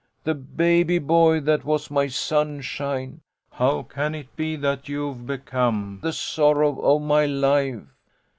The baby boy that was my sunshine, how can it be that youve become the sorrow of my life